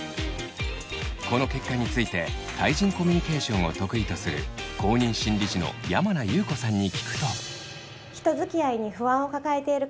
この結果について対人コミュニケーションを得意とする公認心理師の山名裕子さんに聞くと。